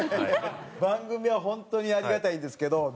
番組はホントにありがたいんですけど。